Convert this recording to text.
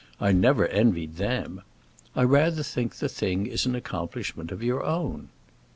I never envied them. I rather think the thing is an accomplishment of your own."